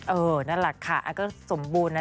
เออน่ารักค่ะก็สมบูรณ์นะ